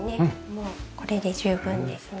もうこれで十分ですね。